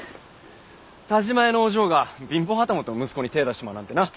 田嶋屋のお嬢が貧乏旗本の息子に手ぇ出しちまうなんてなぁ。